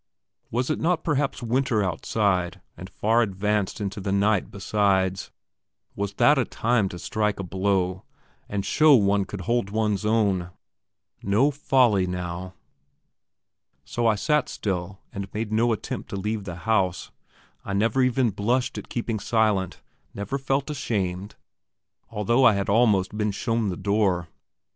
Was it not perhaps winter outside, and far advanced into the night, besides? Was that a time to strike a blow, and show one could hold one's own? No folly now!... So I sat still and made no attempt to leave the house; I never even blushed at keeping silent, never felt ashamed, although I had almost been shown the door.